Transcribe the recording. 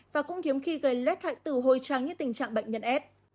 và cũng khiếm khi gây lết hại tử hôi trắng như tình trạng bệnh nhân s